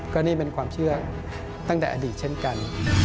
ก็นี่เป็นความเชื่อตั้งแต่อดีตเช่นกัน